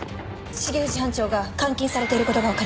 重藤班長が監禁されていることが分かりました。